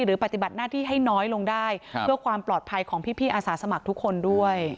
ปฏิบัติหน้าที่ให้น้อยลงได้เพื่อความปลอดภัยของพี่อาสาสมัครทุกคนด้วย